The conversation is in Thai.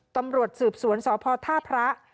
ตำรวจสืบสวนสพท่าพระ